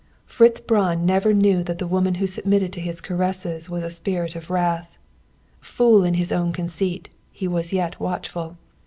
Fritz Braun never knew that the woman who submitted to his caresses was a spirit of wrath. Fool in his own conceit, he was yet watchful.